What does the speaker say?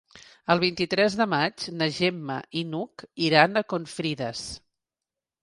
El vint-i-tres de maig na Gemma i n'Hug iran a Confrides.